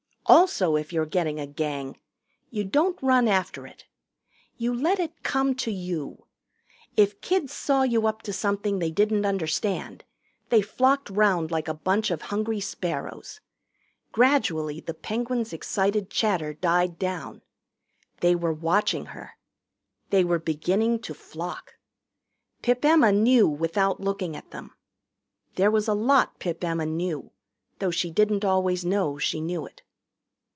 Also if you're getting a Gang, you don't run after it. You let it come to you. If kids saw you up to something they didn't understand, they flocked round like a bunch of hungry sparrows. Gradually the Penguins' excited chatter died down. They were watching her. They were beginning to flock. Pip Emma knew without looking at them. There was a lot Pip Emma knew, though she didn't always know she knew it.